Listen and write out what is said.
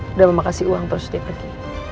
udah mau kasih uang terus dia pergi